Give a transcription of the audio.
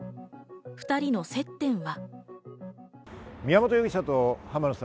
２人の接点は。